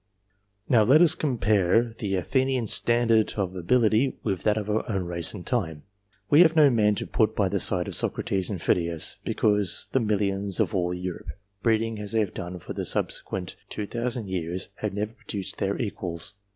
Now let us attempt to compare the Athenian standard of ability with that of our own race and time. We have no men to put by the side of SoG^es^^^hidias, because the millions of all Europe, breeding aslihey have done for the subsequent 2,000 years, have never produced their equals.